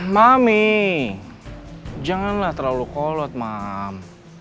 mami janganlah terlalu kolot mam